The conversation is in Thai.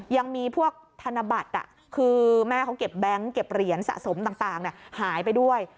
ยังมีพวกธนบัตรคือแม่เขาเก็บแบงค์เก็บเหรียญสะสมต่างหายไปด้วย